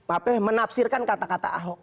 apa menafsirkan kata kata ahok